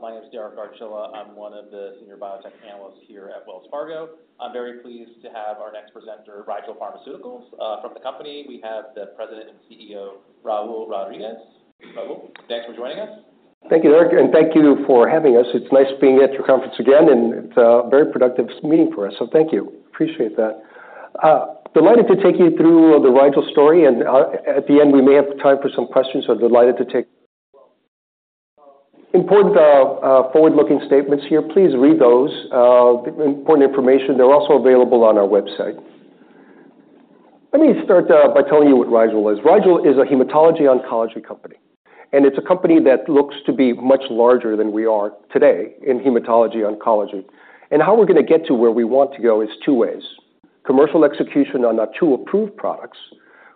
My name is Derek Archila. I'm one of the senior biotech analysts here at Wells Fargo. I'm very pleased to have our next presenter, Rigel Pharmaceuticals. From the company, we have the President and CEO, Raul Rodriguez. Raul, thanks for joining us. Thank you, Derek, and thank you for having us. It's nice being at your conference again, and it's a very productive meeting for us, so thank you. Appreciate that. Delighted to take you through the Rigel story, and, at the end, we may have time for some questions, so delighted to take. Important, forward-looking statements here. Please read those, important information. They're also available on our website. Let me start, by telling you what Rigel is. Rigel is a hematology-oncology company, and it's a company that looks to be much larger than we are today in hematology-oncology. And how we're gonna get to where we want to go is two ways: Commercial execution on our two approved products.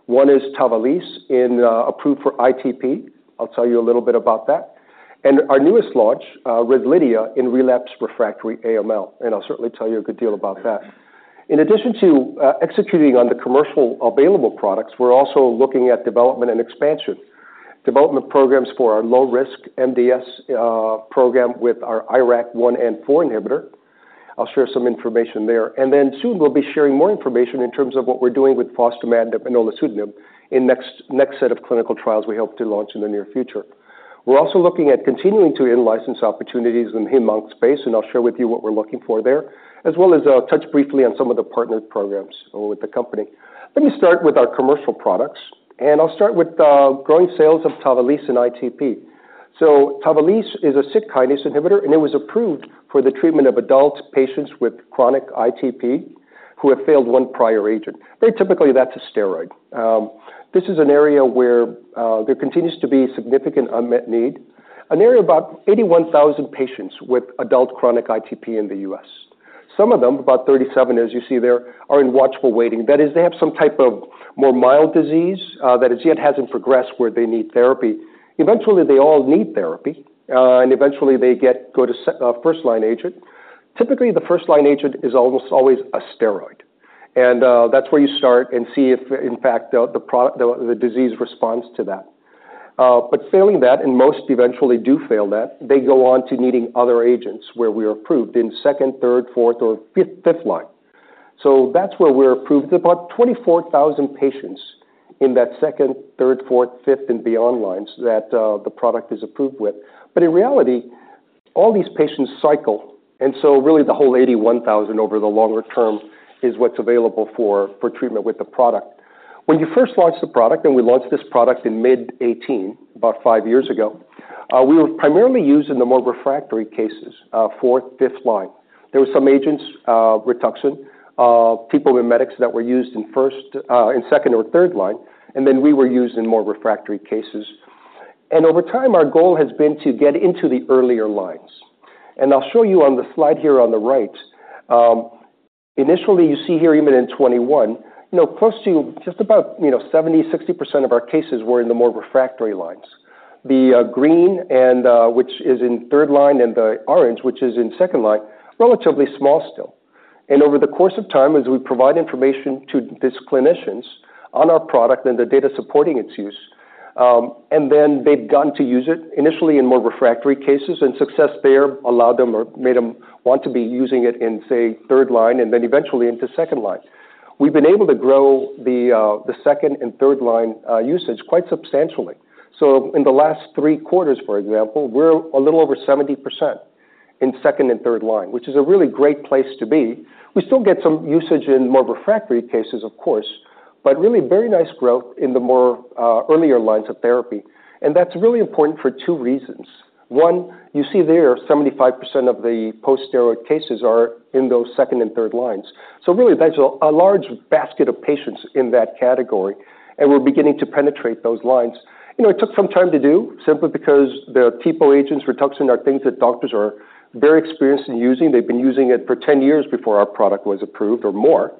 One is Tavalisse in, approved for ITP. I'll tell you a little bit about that. Our newest launch, Rezlidhia, in relapsed/refractory AML, and I'll certainly tell you a good deal about that. In addition to executing on the commercial available products, we're also looking at development and expansion. Development programs for our low-risk MDS program with our IRAK-1/4 inhibitor. I'll share some information there, and then soon we'll be sharing more information in terms of what we're doing with fostamatinib and olutasidenib in next set of clinical trials we hope to launch in the near future. We're also looking at continuing to in-license opportunities in hem/onc space, and I'll share with you what we're looking for there, as well as touch briefly on some of the partnered programs with the company. Let me start with our commercial products, and I'll start with growing sales of Tavalisse and ITP. So Tavalisse is a Syk kinase inhibitor, and it was approved for the treatment of adult patients with chronic ITP who have failed one prior agent. Very typically, that's a steroid. This is an area where there continues to be significant unmet need. An area about 81,000 patients with adult chronic ITP in the U.S. Some of them, about 37, as you see there, are in watchful waiting. That is, they have some type of more mild disease that as yet hasn't progressed where they need therapy. Eventually, they all need therapy, and eventually, they go to first-line agent. Typically, the first-line agent is almost always a steroid. And that's where you start and see if, in fact, the disease responds to that. But failing that, and most eventually do fail that, they go on to needing other agents, where we are approved in second, third, fourth, or fifth line. So that's where we're approved. About 24,000 patients in that second, third, fourth, fifth, and beyond lines that the product is approved with. But in reality, all these patients cycle, and so really the whole 81,000 over the longer term is what's available for treatment with the product. When you first launch the product, and we launched this product in mid-2018, about five years ago, we were primarily used in the more refractory cases, fourth, fifth line. There were some agents, Rituxan, Promacta that were used in first, in second or third line, and then we were used in more refractory cases. Over time, our goal has been to get into the earlier lines. I'll show you on the slide here on the right. Initially, you see here, even in 2021, you know, close to just about, you know, 70%-60% of our cases were in the more refractory lines. The green and which is in third line, and the orange, which is in second line, relatively small still. Over the course of time, as we provide information to these clinicians on our product and the data supporting its use, and then they've gone to use it initially in more refractory cases, and success there allowed them or made them want to be using it in, say, third line and then eventually into second line. We've been able to grow the second and third line usage quite substantially. So in the last 3 quarters, for example, we're a little over 70% in second and third line, which is a really great place to be. We still get some usage in more refractory cases, of course, but really very nice growth in the more earlier lines of therapy. That's really important for 2 reasons. 1, you see there, 75% of the post-steroid cases are in those second and third lines. So really, that's a large basket of patients in that category, and we're beginning to penetrate those lines. You know, it took some time to do, simply because the TPO agents for Rituxan are things that doctors are very experienced in using. They've been using it for 10 years before our product was approved or more,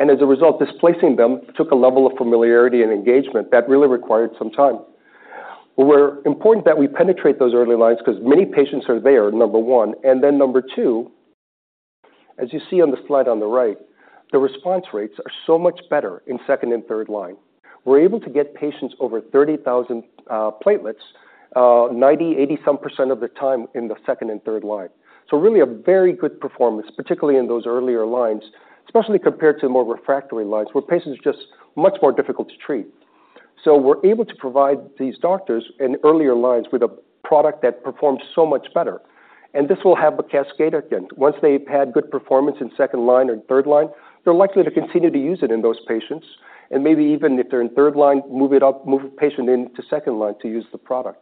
and as a result, displacing them took a level of familiarity and engagement that really required some time. Well, important that we penetrate those early lines because many patients are there, number 1. And then number 2, as you see on the slide on the right, the response rates are so much better in second and third line. We're able to get patients over 30,000 platelets, 90, 80-some% of the time in the second and third line. So really, a very good performance, particularly in those earlier lines, especially compared to more refractory lines, where patients are just much more difficult to treat. So we're able to provide these doctors in earlier lines with a product that performs so much better, and this will have a cascade effect. Once they've had good performance in second line or third line, they're likely to continue to use it in those patients, and maybe even if they're in third line, move it up, move the patient into second line to use the product.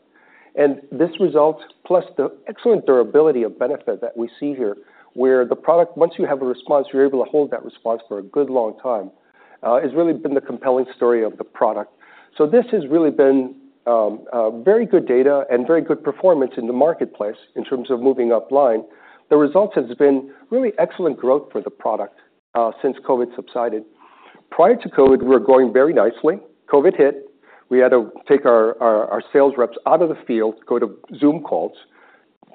And this result, plus the excellent durability of benefit that we see here, where the product, once you have a response, you're able to hold that response for a good long time, has really been the compelling story of the product. So this has really been very good data and very good performance in the marketplace in terms of moving upline. The results has been really excellent growth for the product since COVID subsided. Prior to COVID, we were growing very nicely. COVID hit. We had to take our sales reps out of the field, go to Zoom calls.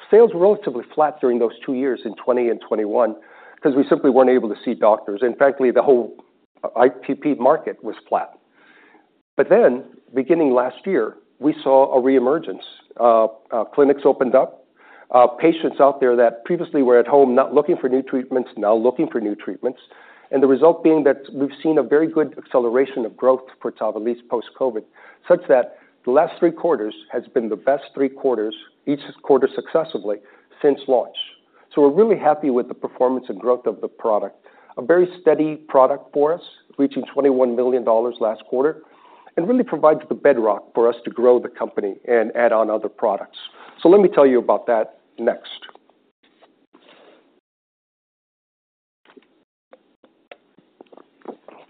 Sales were relatively flat during those two years in 2020 and 2021 because we simply weren't able to see doctors, and frankly, the whole ITP market was flat. But then, beginning last year, we saw a reemergence. Clinics opened up, patients out there that previously were at home, not looking for new treatments, now looking for new treatments, and the result being that we've seen a very good acceleration of growth for Tavalisse post-COVID, such that the last three quarters has been the best three quarters, each quarter successively since launch. So we're really happy with the performance and growth of the product. A very steady product for us, reaching $21 million last quarter, and really provides the bedrock for us to grow the company and add on other products. So let me tell you about that next.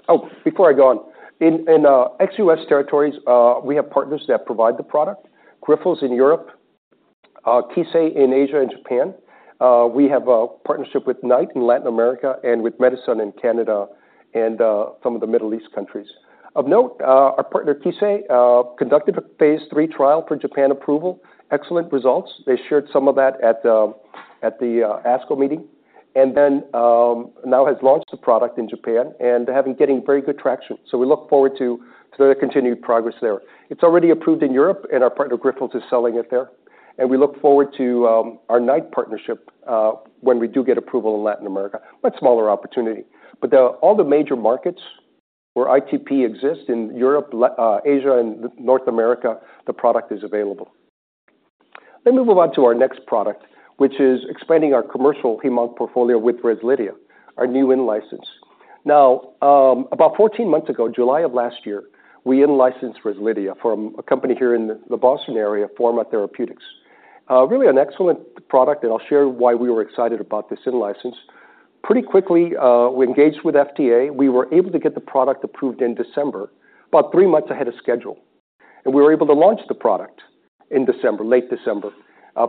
Oh, before I go on, in ex-US territories, we have partners that provide the product. Grifols in Europe, Kissei in Asia and Japan. We have a partnership with Knight in Latin America and with Medison in Canada and some of the Middle East countries. Of note, our partner, Kissei, conducted a phase three trial for Japan approval. Excellent results. They shared some of that at the ASCO meeting, and then now has launched the product in Japan, and they have been getting very good traction. So we look forward to their continued progress there. It's already approved in Europe, and our partner, Grifols, is selling it there, and we look forward to our Knight partnership when we do get approval in Latin America. Much smaller opportunity. But the... All the major markets where ITP exists in Europe, Latin America, Asia, and North America, the product is available. Let me move on to our next product, which is expanding our commercial hem/onc portfolio with Rezlidhia, our new in-license. Now, about 14 months ago, July of last year, we in-licensed Rezlidhia from a company here in the Boston area, Forma Therapeutics. Really an excellent product, and I'll share why we were excited about this in-license. Pretty quickly, we engaged with FDA. We were able to get the product approved in December, about 3 months ahead of schedule, and we were able to launch the product in December, late December.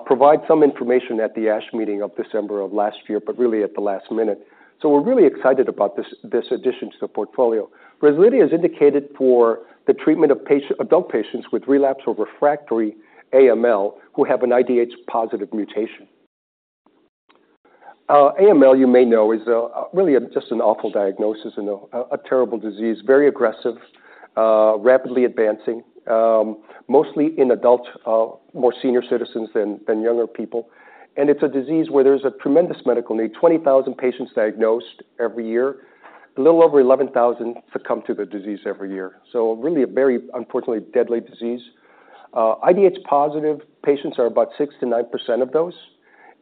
Provide some information at the ASH meeting of December of last year, but really at the last minute. So we're really excited about this, this addition to the portfolio. Rezlidhia is indicated for the treatment of adult patients with relapsed or refractory AML, who have an IDH-positive mutation. AML, you may know, is really just an awful diagnosis and a terrible disease, very aggressive, rapidly advancing, mostly in adults, more senior citizens than younger people. And it's a disease where there's a tremendous medical need. 20,000 patients diagnosed every year, a little over 11,000 succumb to the disease every year. So really a very, unfortunately, deadly disease. IDH-positive patients are about 6%-9% of those,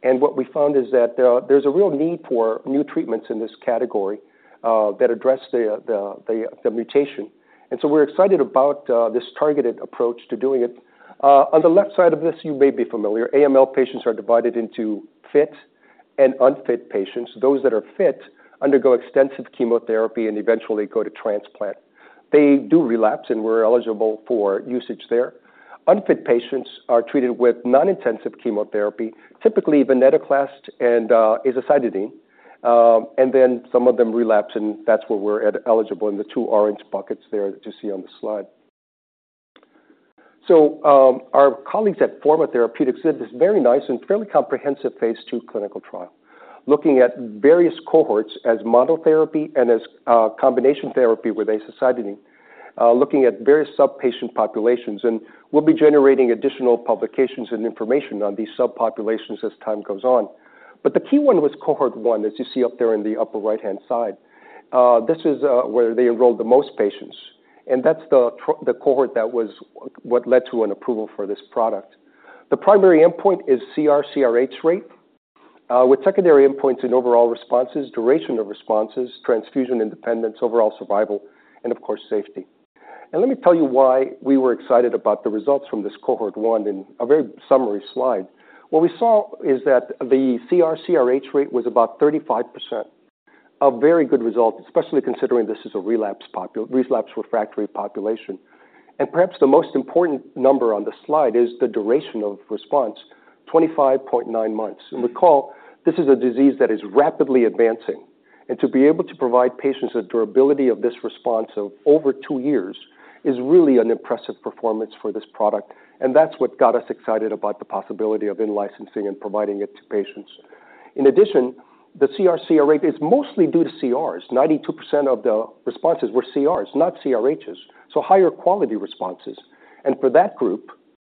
and what we found is that, there's a real need for new treatments in this category, that address the mutation. And so we're excited about this targeted approach to doing it. On the left side of this, you may be familiar. AML patients are divided into fit and unfit patients. Those that are fit undergo extensive chemotherapy and eventually go to transplant. They do relapse and were eligible for usage there. Unfit patients are treated with non-intensive chemotherapy, typically venetoclax and azacitidine, and then some of them relapse, and that's where we're eligible in the two orange buckets there that you see on the slide. So, our colleagues at Forma Therapeutics did this very nice and fairly comprehensive phase II clinical trial, looking at various cohorts as monotherapy and as combination therapy with azacitidine, looking at various subpopulations, and we'll be generating additional publications and information on these subpopulations as time goes on. But the key one was cohort one, as you see up there in the upper right-hand side. This is where they enrolled the most patients, and that's the cohort that was what led to an approval for this product. The primary endpoint is CR/CRh rate, with secondary endpoints in overall responses, duration of responses, transfusion independence, overall survival, and of course, safety. And let me tell you why we were excited about the results from this cohort one in a very summary slide. What we saw is that the CR/CRh rate was about 35%. A very good result, especially considering this is a relapse refractory population. And perhaps the most important number on the slide is the duration of response, 25.9 months. Recall, this is a disease that is rapidly advancing, and to be able to provide patients a durability of this response of over 2 years is really an impressive performance for this product, and that's what got us excited about the possibility of in-licensing and providing it to patients. In addition, the CR/CRh rate is mostly due to CRs. 92% of the responses were CRs, not CRHs, so higher quality responses. And for that group,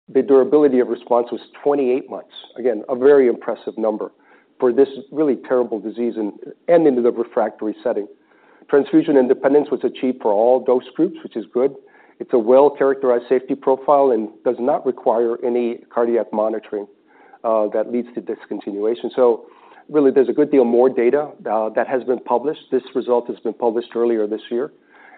the durability of response was 28 months. Again, a very impressive number for this really terrible disease and, and into the refractory setting. Transfusion independence was achieved for all dose groups, which is good. It's a well-characterized safety profile and does not require any cardiac monitoring, that leads to discontinuation. So really, there's a good deal more data, that has been published. This result has been published earlier this year,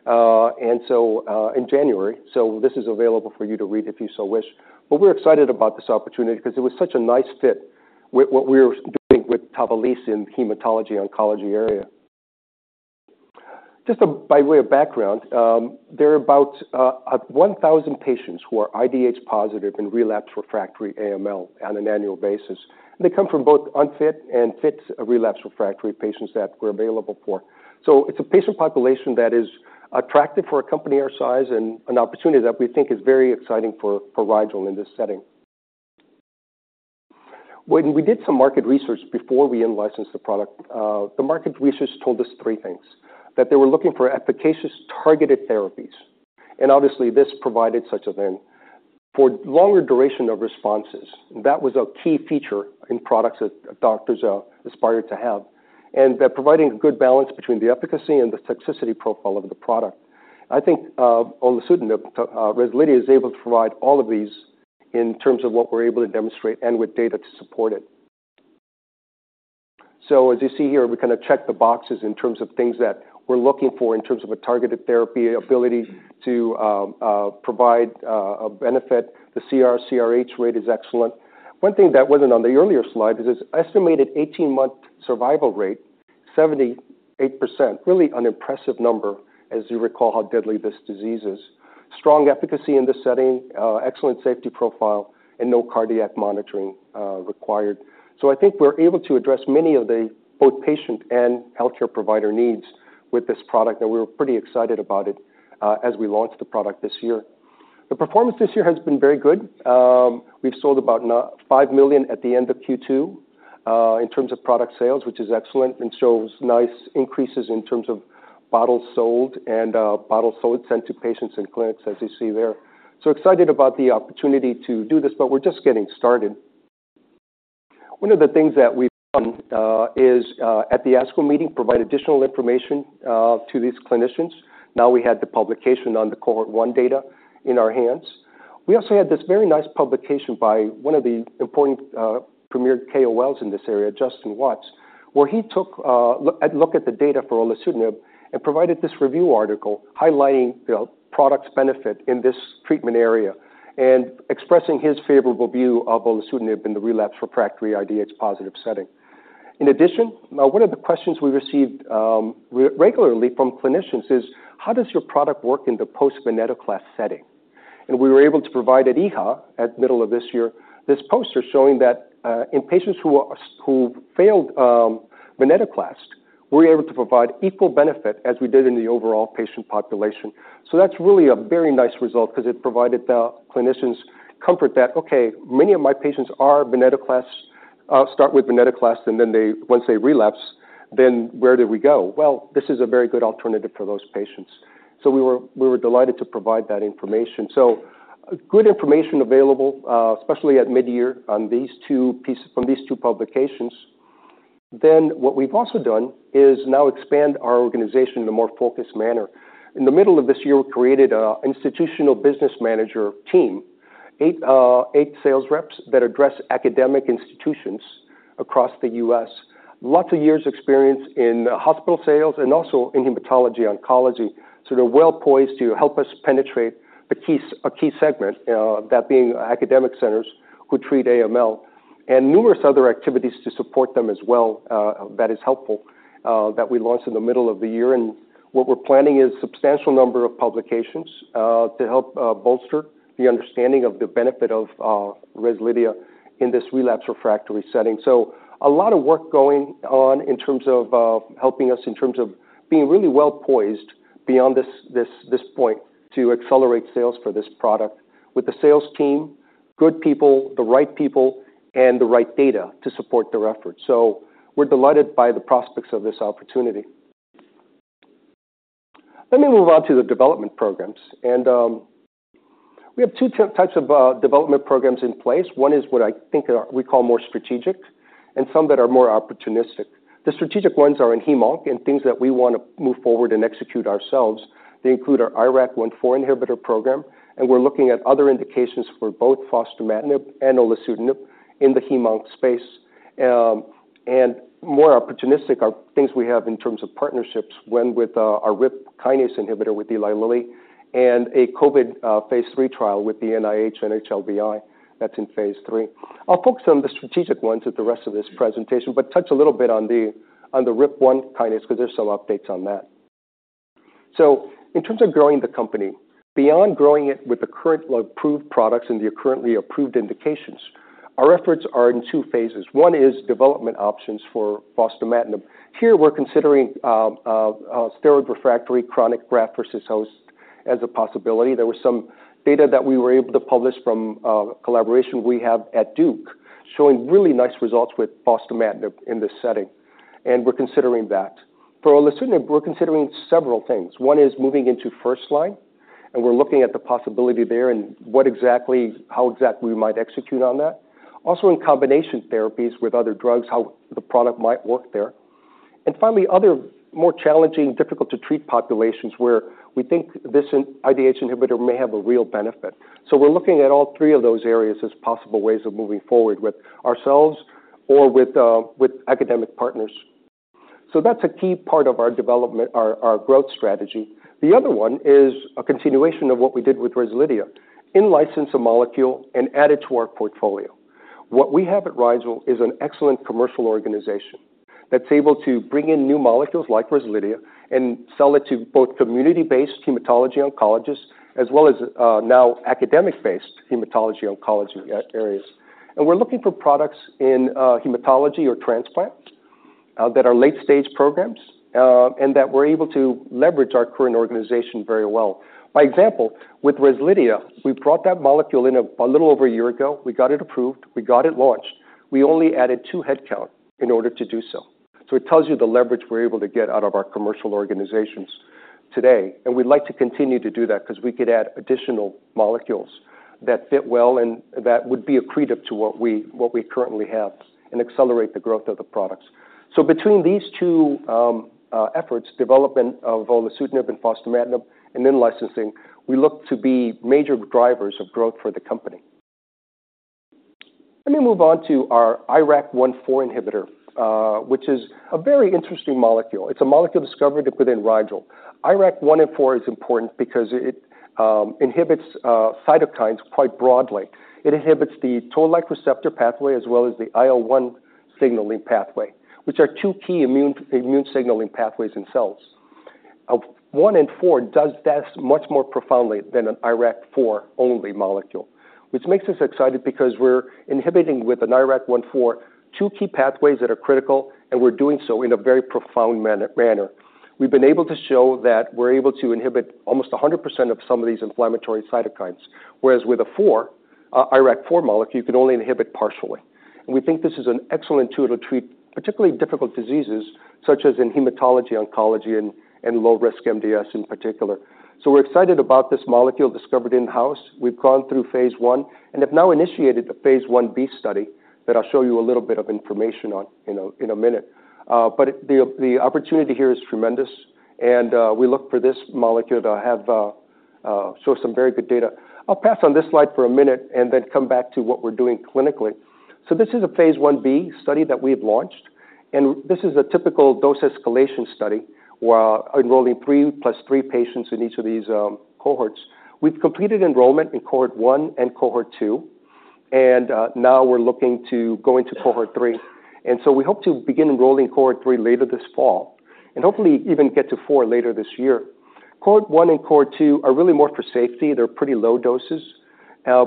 and so, in January, so this is available for you to read if you so wish. But we're excited about this opportunity because it was such a nice fit with what we were doing with Tavalisse in the hematology/oncology area. Just, by way of background, there are about, 1,000 patients who are IDH positive in relapsed refractory AML on an annual basis. They come from both unfit and fit, relapsed refractory patients that we're available for. So it's a patient population that is attractive for a company our size and an opportunity that we think is very exciting for Rigel in this setting. When we did some market research before we in-licensed the product, the market research told us three things: that they were looking for efficacious, targeted therapies, and obviously, this provided such a thing. For longer duration of responses, that was a key feature in products that doctors aspired to have, and that providing a good balance between the efficacy and the toxicity profile of the product. I think, olutasidenib, Rezlidhia is able to provide all of these in terms of what we're able to demonstrate and with data to support it. So as you see here, we kind of check the boxes in terms of things that we're looking for in terms of a targeted therapy ability to provide a benefit. The CR/CRh rate is excellent. One thing that wasn't on the earlier slide is this estimated 18-month survival rate, 78%. Really an impressive number as you recall how deadly this disease is. Strong efficacy in this setting, excellent safety profile, and no cardiac monitoring required. So I think we're able to address many of the both patient and healthcare provider needs with this product, and we're pretty excited about it, as we launch the product this year. The performance this year has been very good. We've sold about $95 million at the end of Q2 in terms of product sales, which is excellent, and shows nice increases in terms of bottles sold and bottles sold sent to patients in clinics, as you see there. So excited about the opportunity to do this, but we're just getting started. One of the things that we've done is at the ASCO meeting provide additional information to these clinicians. Now, we had the publication on the cohort one data in our hands. We also had this very nice publication by one of the important premier KOLs in this area, Justin Watts, where he took a look at the data for olutasidenib and provided this review article highlighting the product's benefit in this treatment area and expressing his favorable view of olutasidenib in the relapsed refractory IDH-positive setting. In addition, now, one of the questions we received regularly from clinicians is, "How does your product work in the post-venetoclax setting?" We were able to provide at EHA, at middle of this year, this poster showing that in patients who failed venetoclax, we're able to provide equal benefit as we did in the overall patient population. So that's really a very nice result because it provided the clinicians' comfort that, "Okay, many of my patients are venetoclax start with venetoclax, and then once they relapse, then where do we go?" Well, this is a very good alternative for those patients. So we were delighted to provide that information. So good information available, especially at mid-year, from these two publications. Then, what we've also done is now expand our organization in a more focused manner. In the middle of this year, we created an institutional business manager team, 8 sales reps that address academic institutions across the U.S. Lots of years' experience in hospital sales and also in hematology oncology. So they're well-poised to help us penetrate the key, a key segment, that being academic centers who treat AML, and numerous other activities to support them as well, that is helpful, that we launched in the middle of the year. And what we're planning is substantial number of publications, to help bolster the understanding of the benefit of Rezlidhia in this relapsed refractory setting. So a lot of work going on in terms of helping us, in terms of being really well-poised beyond this point, to accelerate sales for this product with the sales team, good people, the right people, and the right data to support their efforts. So we're delighted by the prospects of this opportunity. Let me move on to the development programs, and we have two types of development programs in place. One is what I think are, we call more strategic, and some that are more opportunistic. The strategic ones are in hem/onc, and things that we want to move forward and execute ourselves. They include our IRAK-1/4 inhibitor program, and we're looking at other indications for both fostamatinib and olutasidenib in the hem/onc space. And more opportunistic are things we have in terms of partnerships with our RIP kinase inhibitor with Eli Lilly and a COVID phase III trial with the NIH/NHLBI. That's in phase III. I'll focus on the strategic ones with the rest of this presentation, but touch a little bit on the RIP1 kinase, because there's some updates on that. So in terms of growing the company, beyond growing it with the current approved products and the currently approved indications, our efforts are in two phases. One is development options for fostamatinib. Here, we're considering steroid-refractory chronic graft-versus-host as a possibility. There was some data that we were able to publish from a collaboration we have at Duke, showing really nice results with fostamatinib in this setting, and we're considering that. For olutasidenib, we're considering several things. One is moving into first line, and we're looking at the possibility there and what exactly, how exactly we might execute on that. Also, in combination therapies with other drugs, how the product might work there. And finally, other more challenging, difficult-to-treat populations, where we think this IDH inhibitor may have a real benefit. So we're looking at all three of those areas as possible ways of moving forward with ourselves or with academic partners. So that's a key part of our development, our growth strategy. The other one is a continuation of what we did with Rezlidhia: in-license a molecule and add it to our portfolio. What we have at Rigel is an excellent commercial organization that's able to bring in new molecules like Rezlidhia and sell it to both community-based hematology oncologists, as well as now academic-based hematology oncology areas. And we're looking for products in hematology or transplant that are late-stage programs, and that we're able to leverage our current organization very well. By example, with Rezlidhia, we brought that molecule in a little over a year ago. We got it approved, we got it launched. We only added two headcount in order to do so. So it tells you the leverage we're able to get out of our commercial organizations today, and we'd like to continue to do that because we could add additional molecules that fit well, and that would be accretive to what we currently have and accelerate the growth of the products. So between these two efforts, development of olutasidenib and fostamatinib, and then licensing, we look to be major drivers of growth for the company. Let me move on to our IRAK-1/4 inhibitor, which is a very interesting molecule. It's a molecule discovered within Rigel. IRAK-1 and 4 is important because it inhibits cytokines quite broadly. It inhibits the toll-like receptor pathway as well as the IL-1 signaling pathway, which are two key immune signaling pathways in cells. One in four does that much more profoundly than an IRAK-4 only molecule, which makes us excited because we're inhibiting with an IRAK-1/4, two key pathways that are critical, and we're doing so in a very profound manner. We've been able to show that we're able to inhibit almost 100% of some of these inflammatory cytokines, whereas with a IRAK-4 molecule, you can only inhibit partially. We think this is an excellent tool to treat particularly difficult diseases, such as in hematology, oncology, and low-risk MDS in particular. So we're excited about this molecule discovered in-house. We've gone through phase 1 and have now initiated a phase 1b study that I'll show you a little bit of information on in a minute. But the opportunity here is tremendous, and we look for this molecule to show some very good data. I'll pass on this slide for a minute and then come back to what we're doing clinically. So this is a phase 1b study that we've launched, and this is a typical dose escalation study. We're enrolling three + three patients in each of these cohorts. We've completed enrollment in cohort one and cohort two, and now we're looking to go into cohort three. And so we hope to begin enrolling cohort 3 later this fall, and hopefully even get to 4 later this year. Cohort 1 and cohort 2 are really more for safety. They're pretty low doses.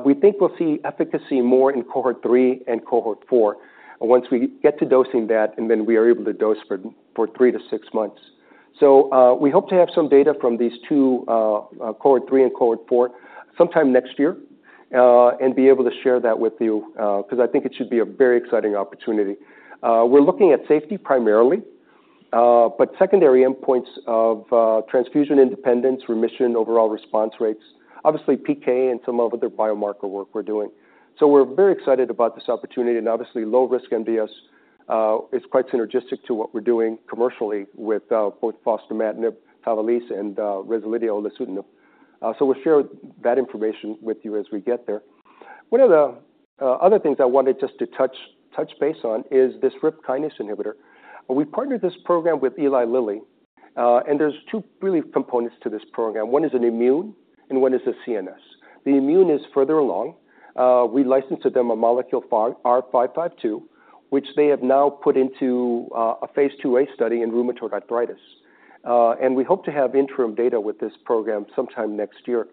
We think we'll see efficacy more in cohort 3 and cohort 4. And once we get to dosing that, and then we are able to dose for 3 to 6 months. So, we hope to have some data from these two, cohort 3 and cohort 4, sometime next year, and be able to share that with you, because I think it should be a very exciting opportunity. We're looking at safety primarily, but secondary endpoints of transfusion independence, remission, overall response rates, obviously PK and some other biomarker work we're doing. So we're very excited about this opportunity, and obviously, low risk MDS is quite synergistic to what we're doing commercially with both fostamatinib, Tavalisse, and Rezlidhia, olutasidenib. So we'll share that information with you as we get there. One of the other things I wanted just to touch base on is this RIP kinase inhibitor. We partnered this program with Eli Lilly, and there's two really components to this program. One is an immune, and one is a CNS. The immune is further along. We licensed to them a molecule, R552, which they have now put into a phase 2A study in rheumatoid arthritis. And we hope to have interim data with this program sometime next year.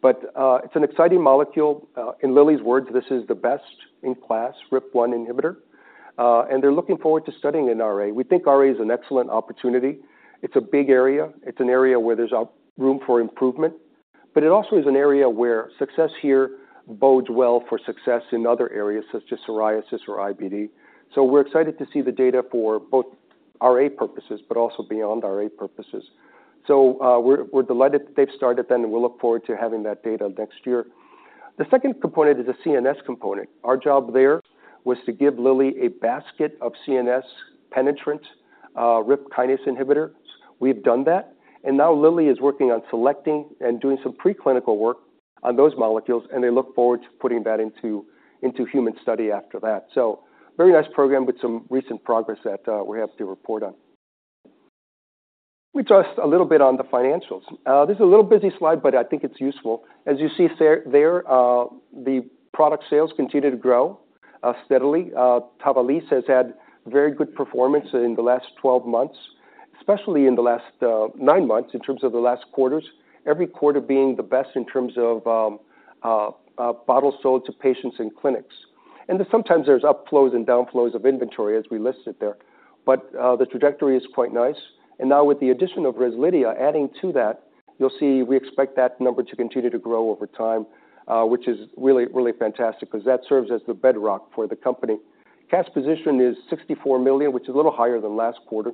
But it's an exciting molecule. In Lilly's words, "This is the best-in-class RIP1 inhibitor," and they're looking forward to studying in RA. We think RA is an excellent opportunity. It's a big area. It's an area where there's a room for improvement, but it also is an area where success here bodes well for success in other areas such as psoriasis or IBD. So we're excited to see the data for both RA purposes, but also beyond RA purposes. So, we're delighted that they've started then, and we look forward to having that data next year. The second component is a CNS component. Our job there was to give Lilly a basket of CNS penetrant, RIP kinase inhibitors. We've done that, and now Lilly is working on selecting and doing some preclinical work on those molecules, and they look forward to putting that into human study after that. So very nice program with some recent progress that we have to report on. We trust a little bit on the financials. This is a little busy slide, but I think it's useful. As you see there, the product sales continue to grow steadily. Tavalisse has had very good performance in the last 12 months, especially in the last 9 months in terms of the last quarters, every quarter being the best in terms of bottles sold to patients in clinics. And then sometimes there's up flows and downflows of inventory, as we listed there. But the trajectory is quite nice. And now with the addition of Rezlidhia, adding to that, you'll see we expect that number to continue to grow over time, which is really, really fantastic because that serves as the bedrock for the company. Cash position is $64 million, which is a little higher than last quarter.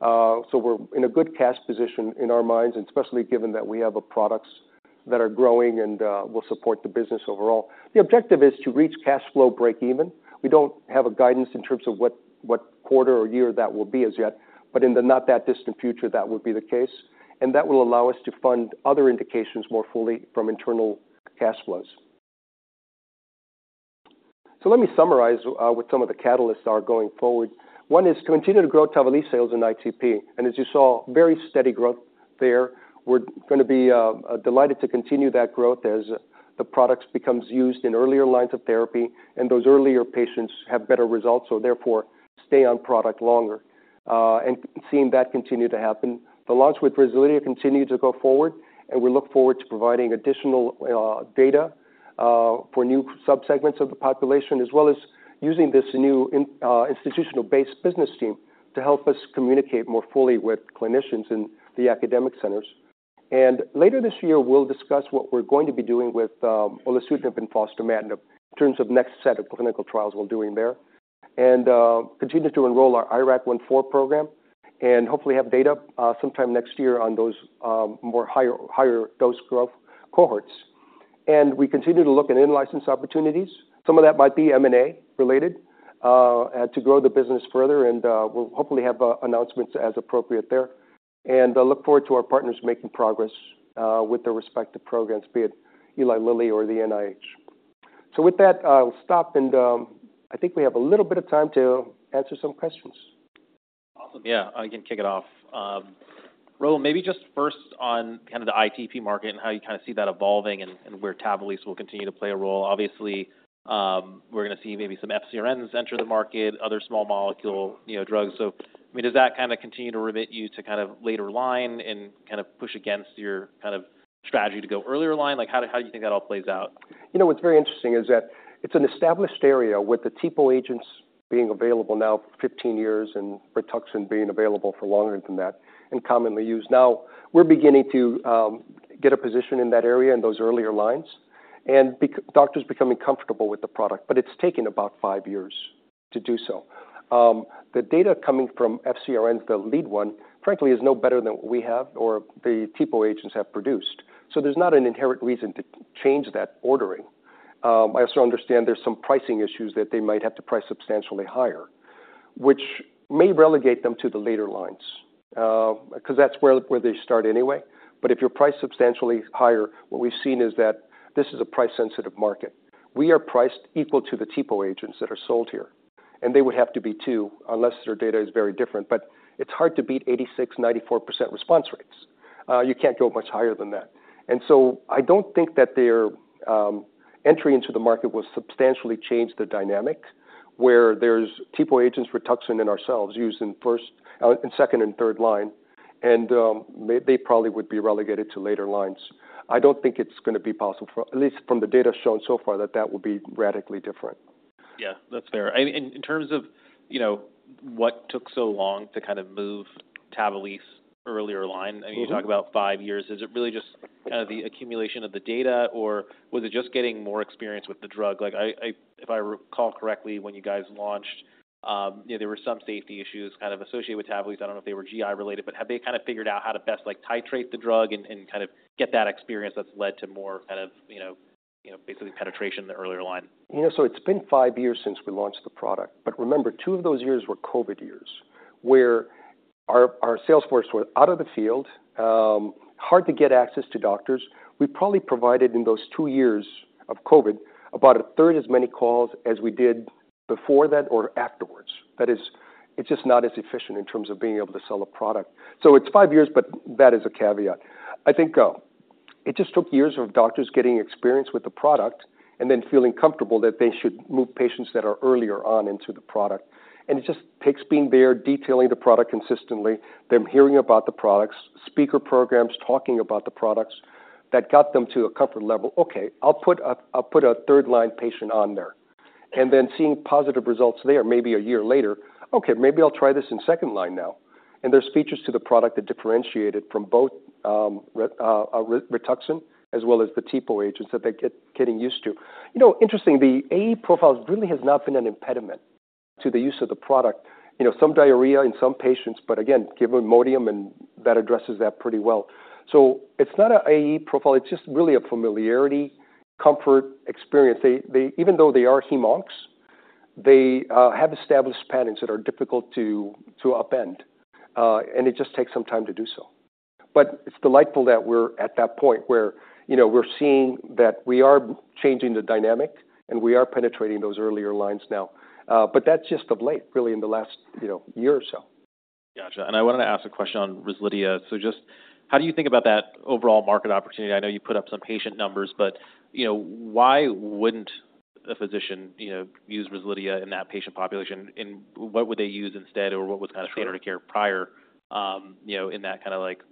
So we're in a good cash position in our minds, and especially given that we have a products that are growing and will support the business overall. The objective is to reach cash flow break even. We don't have a guidance in terms of what, what quarter or year that will be as yet, but in the not that distant future, that would be the case. And that will allow us to fund other indications more fully from internal cash flows. So let me summarize what some of the catalysts are going forward. One is to continue to grow Tavalisse sales in ITP, and as you saw, very steady growth there. We're gonna be delighted to continue that growth as the products becomes used in earlier lines of therapy, and those earlier patients have better results, so therefore stay on product longer, and seeing that continue to happen. The launch with Rezlidhia continued to go forward, and we look forward to providing additional data for new subsegments of the population, as well as using this new institutional-based business team to help us communicate more fully with clinicians in the academic centers. Later this year, we'll discuss what we're going to be doing with olutasidenib and fostamatinib in terms of next set of clinical trials we're doing there. Continue to enroll our IRAK-1/4 program and hopefully have data sometime next year on those more higher dose growth cohorts. We continue to look at in-license opportunities. Some of that might be M&A related, to grow the business further, and we'll hopefully have announcements as appropriate there, and I look forward to our partners making progress with their respective programs, be it Eli Lilly or the NIH. So with that, I'll stop, and I think we have a little bit of time to answer some questions. Awesome. Yeah, I can kick it off. Raul, maybe just first on kind of the ITP market and how you kind of see that evolving and, and where Tavalisse will continue to play a role. Obviously, we're gonna see maybe some FcRns enter the market, other small molecule, you know, drugs. So, I mean, does that kind of continue to remit you to kind of later line and kind of push against your kind of strategy to go earlier line? Like, how do you think that all plays out? You know, what's very interesting is that it's an established area with the TPO agents being available now for 15 years, and Rituxan being available for longer than that and commonly used. Now, we're beginning to get a position in that area in those earlier lines and doctors becoming comfortable with the product, but it's taken about 5 years to do so. The data coming from FcRn, the lead one, frankly, is no better than what we have or the TPO agents have produced. So there's not an inherent reason to change that ordering. I also understand there's some pricing issues that they might have to price substantially higher, which may relegate them to the later lines, because that's where they start anyway. But if you price substantially higher, what we've seen is that this is a price-sensitive market. We are priced equal to the TPO agents that are sold here, and they would have to be, too, unless their data is very different. But it's hard to beat 86, 94% response rates. You can't go much higher than that. And so I don't think that their entry into the market will substantially change the dynamic, where there's TPO agents, Rituxan, and ourselves used in first... in second and third line, and they, they probably would be relegated to later lines. I don't think it's gonna be possible, for, at least from the data shown so far, that that will be radically different. Yeah, that's fair. I mean, in terms of, you know, what took so long to kind of move Tavalisse earlier line? Mm-hmm. I know you talk about 5 years. Is it really just the accumulation of the data, or was it just getting more experience with the drug? Like, if I recall correctly, when you guys launched, you know, there were some safety issues kind of associated with Tavalisse. I don't know if they were GI related, but have they kind of figured out how to best, like, titrate the drug and kind of get that experience that's led to more kind of, you know, basically penetration in the earlier line? You know, so it's been 5 years since we launched the product, but remember, 2 of those years were COVID years, where our, our sales force was out of the field, hard to get access to doctors. We probably provided, in those 2 years of COVID, about a third as many calls as we did before that or afterwards. That is, it's just not as efficient in terms of being able to sell a product. So it's 5 years, but that is a caveat. I think, it just took years of doctors getting experience with the product and then feeling comfortable that they should move patients that are earlier on into the product. And it just takes being there, detailing the product consistently, them hearing about the products, speaker programs, talking about the products that got them to a comfort level. Okay, I'll put a, I'll put a third-line patient on there." And then seeing positive results there, maybe a year later, "Okay, maybe I'll try this in second line now." And there's features to the product that differentiate it from both Rituxan as well as the TPO agents that they get, getting used to. You know, interestingly, the AE profile really has not been an impediment to the use of the product. You know, some diarrhea in some patients, but again, give Imodium, and that addresses that pretty well. So it's not an AE profile. It's just really a familiarity, comfort, experience. They, they-- Even though they are hem/oncs, they have established patterns that are difficult to upend, and it just takes some time to do so. But it's delightful that we're at that point where, you know, we're seeing that we are changing the dynamic, and we are penetrating those earlier lines now. But that's just of late, really, in the last, you know, year or so. Gotcha. And I wanted to ask a question on Rezlidhia. So just how do you think about that overall market opportunity? I know you put up some patient numbers, but, you know, why wouldn't a physician, you know, use Rezlidhia in that patient population, and what would they use instead? Sure. Or what was kind of standard of care prior, you know, in that kind of like,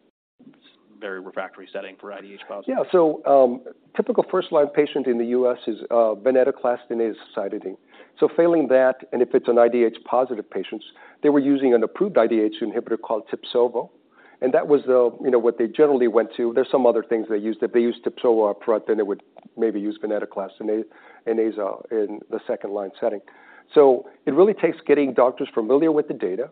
very refractory setting for IDH-positive? Yeah. So, typical first-line patient in the U.S. is venetoclax and azacitidine. So, failing that, and if it's an IDH-positive patients, they were using an approved IDH inhibitor called Tibsovo, and that was the, you know, what they generally went to. There are some other things they used. If they used Tibsovo up front, then they would maybe use venetoclax and azo in the second line setting. So, it really takes getting doctors familiar with the data,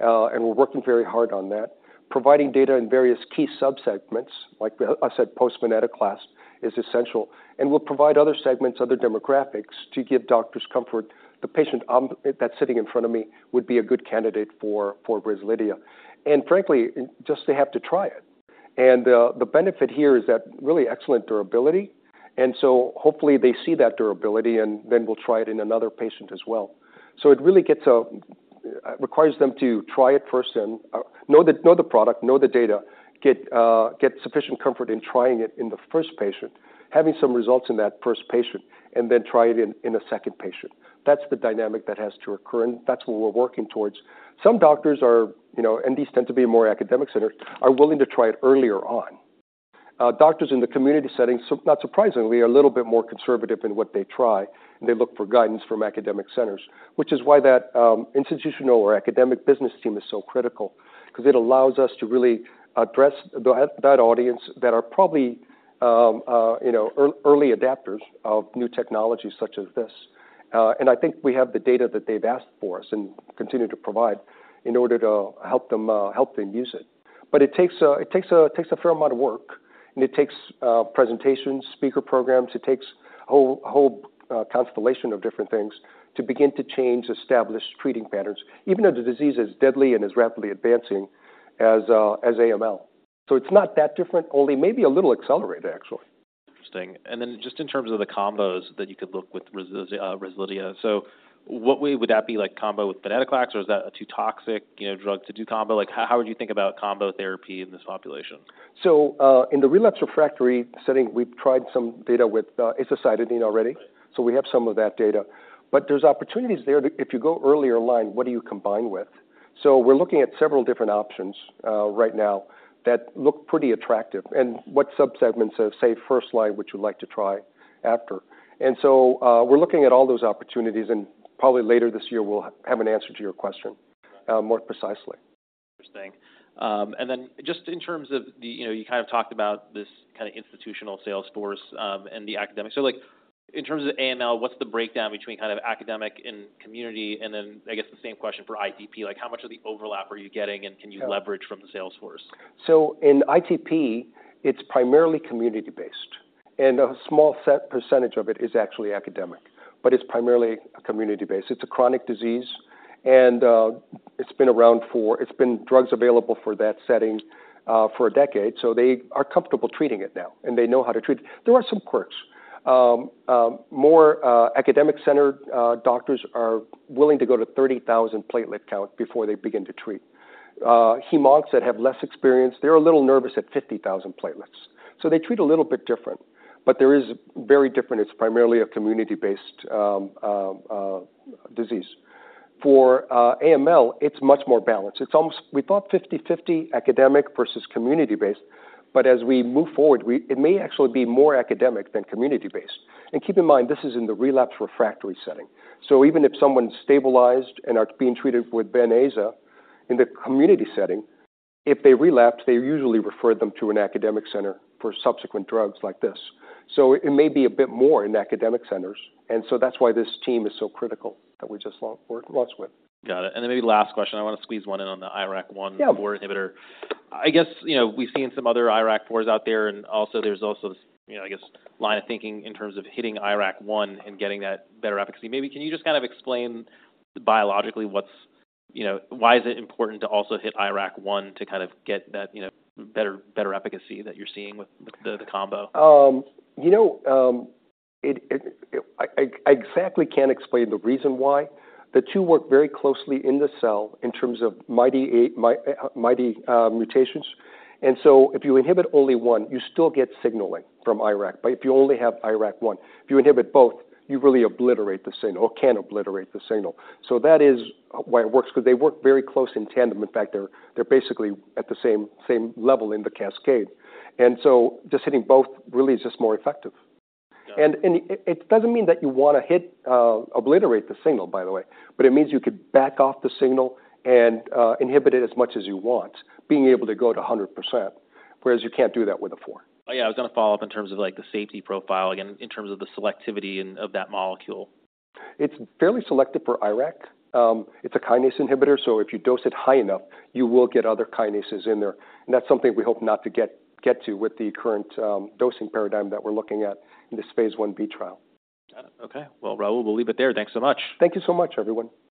and we're working very hard on that, providing data in various key subsegments. Like I said, post-venetoclax is essential, and we'll provide other segments, other demographics, to give doctors comfort. The patient, that's sitting in front of me would be a good candidate for, for Rezlidhia, and frankly, just they have to try it. The benefit here is that really excellent durability, and so hopefully, they see that durability, and then we'll try it in another patient as well. So, it really requires them to try it first and know the product, know the data, get sufficient comfort in trying it in the first patient, having some results in that first patient, and then try it in a second patient. That's the dynamic that has to occur, and that's what we're working towards. Some doctors are, you know, and these tend to be more academic centers, are willing to try it earlier on. Doctors in the community settings, so not surprisingly, are a little bit more conservative in what they try, and they look for guidance from academic centers, which is why that institutional or academic business team is so critical. Because it allows us to really address that audience that are probably, you know, early adopters of new technologies such as this. And I think we have the data that they've asked for us and continue to provide in order to help them help them use it. But it takes a fair amount of work, and it takes presentations, speaker programs, it takes a whole constellation of different things to begin to change established treating patterns, even though the disease is deadly and as rapidly advancing as AML. So, it's not that different, only maybe a little accelerated, actually. Interesting. And then just in terms of the combos that you could look with Rezlidhia. So, what way would that be like combo with venetoclax, or is that a too toxic, you know, drug to do combo? Like, how, how would you think about combo therapy in this population? So, in the relapsed refractory setting, we've tried some data with azacitidine already. So, we have some of that data, but there's opportunities there, that if you go earlier in line, what do you combine with? So, we're looking at several different options right now that look pretty attractive and what subsegments of, say, first line, which you'd like to try after. And so, we're looking at all those opportunities, and probably later this year, we'll have an answer to your question more precisely. Interesting. And then just in terms of the... You know, you kind of talked about this kind of institutional sales force, and the academic. So, like, in terms of AML, what's the breakdown between kind of academic and community? And then I guess the same question for ITP, like, how much of the overlap are you getting, and can you leverage from the sales force? So in ITP, it's primarily community-based, and a small set, percentage of it is actually academic, but it's primarily community-based. It's a chronic disease, and it's been around for... It's been drugs available for that setting, for a decade, so they are comfortable treating it now, and they know how to treat. There are some quirks. More academic center doctors are willing to go to 30,000 platelets count before they begin to treat. Hem/Onc that have less experience, they're a little nervous at 50,000 platelets, so they treat a little bit different. But there is very different, it's primarily a community-based disease. For AML, it's much more balanced. It's almost, we thought 50/50 academic versus community-based, but as we move forward, it may actually be more academic than community-based. Keep in mind, this is in the relapsed/refractory setting. So even if someone's stabilized and are being treated with Vidaza in the community setting, if they relapse, they usually refer them to an academic center for subsequent drugs like this. So, it may be a bit more in academic centers, and so that's why this team is so critical that we just launched, working launch with. Got it, and then maybe last question. I want to squeeze one in on the IRAK one- Yeah. - inhibitor. I guess, you know, we've seen some other IRAK-4s out there, and also there's also this, you know, I guess, line of thinking in terms of hitting IRAK-1 and getting that better efficacy. Maybe can you just kind of explain biologically what's, you know, why is it important to also hit IRAK-1 to kind of get that, you know, better, better efficacy that you're seeing with the, the combo? You know, I exactly can't explain the reason why. The two work very closely in the cell in terms of MyD88, MyD88, mutations. And so if you inhibit only one, you still get signaling from IRAK, but if you only have IRAK-1, if you inhibit both, you really obliterate the signal or can obliterate the signal. So that is why it works, because they work very close in tandem. In fact, they're basically at the same level in the cascade. And so just hitting both really is just more effective. Got it. And it doesn't mean that you want to hit obliterate the signal, by the way, but it means you could back off the signal and inhibit it as much as you want, being able to go to 100%, whereas you can't do that with a 4. Oh, yeah, I was going to follow up in terms of, like, the safety profile, again, in terms of the selectivity and of that molecule. It's fairly selective for IRAK. It's a kinase inhibitor, so if you dose it high enough, you will get other kinases in there. And that's something we hope not to get to with the current dosing paradigm that we're looking at in this phase 1b trial. Got it. Okay. Well, Raul, we'll leave it there. Thanks so much. Thank you so much, everyone. Thanks.